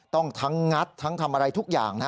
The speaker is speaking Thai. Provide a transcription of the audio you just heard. ทั้งงัดทั้งทำอะไรทุกอย่าง